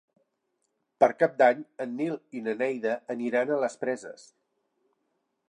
Per Cap d'Any en Nil i na Neida aniran a les Preses.